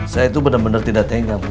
saya itu bener bener tidak tegang bu